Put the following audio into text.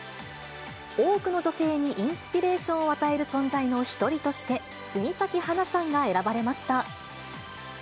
多くの女性にインスピレーションを与える存在の一人として、杉咲花さんが選ばれました。